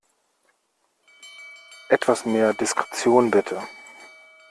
Etwas mehr Diskretion, bitte!